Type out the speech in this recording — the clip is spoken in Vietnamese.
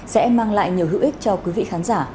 sẽ mang lại nhiều hữu ích cho quý vị khán giả